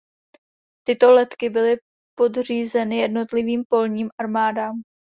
Tyto letky byly podřízeny jednotlivým polním armádám.